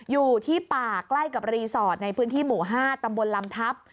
อยู่ที่ป่าใกล้กับรีสอร์ทในพื้นที่หมู่๕ตำบลลำทับ